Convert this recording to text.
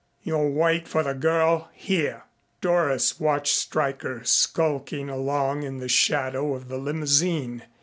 "You'll wait for the girl here." Doris watched Stryker skulking along in the shadow of the limousine.